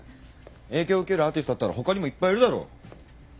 影響受けるアーティストだったら他にもいっぱいいるだろ。